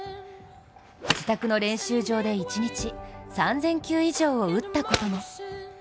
自宅の練習場で一日、３０００球以上を打ったことも。